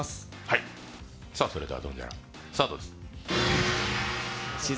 それでは「ドンジャラ」スタートです。